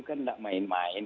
kan tidak main main